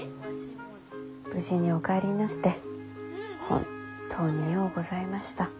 無事にお帰りになって本当にようございました。